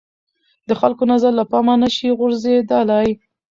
د خلکو نظر له پامه نه شي غورځېدلای